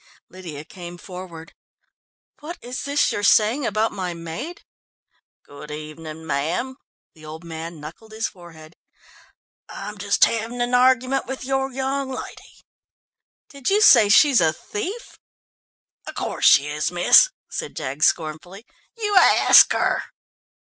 Lydia came forward. "What is this you're saying about my maid?" "Good evening, ma'am." The old man knuckled his forehead. "I'm just having an argument with your young lady." "Do you say she is a thief?" "Of course she is, miss," said Jaggs scornfully. "You ask her!"